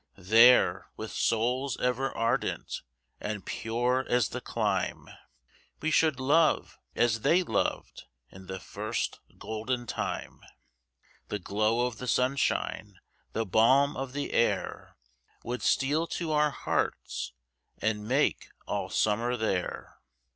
There, with souls ever ardent and pure as the clime, We should love, as they loved in the first golden time; The glow of the sunshine, the balm of the air, Would steal to our hearts, and make all summer there.